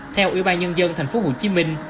theo ủy ban nhân dân thành phố hồ chí minh